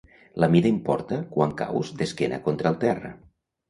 La mida importa quan caus d'esquena contra el terra.